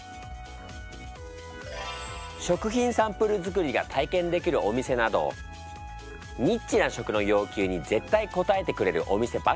食品サンプル作りが体験できるお店などニッチな食の要求に絶対応えてくれるお店ばかり。